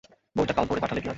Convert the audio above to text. বইটা কাল ভোরে পাঠালে কি হয়?